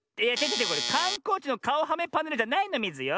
これかんこうちのかおはめパネルじゃないのミズよ。